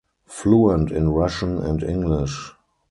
Fluent in Russian and English.